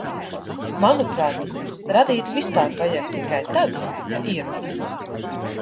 Manuprāt, radīt vispār vajag tikai tad, ja ir.